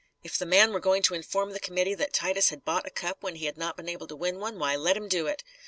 If the man were going to inform the committee that Titus had bought a cup when he had not been able to win one, why, let him do it!